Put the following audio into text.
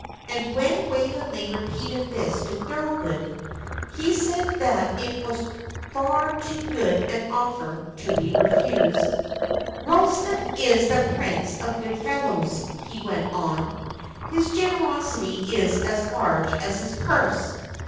And when Waveney repeated this to Thorold, he said that it was far too good an offer to be refused. "Ralston is the prince of good fellows," he went on. "His generosity is as large as his purse.